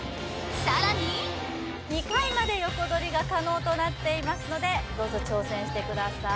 さらに２回まで横取りが可能となっていますのでどうぞ挑戦してください